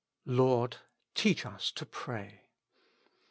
"Lord, teach us to pray."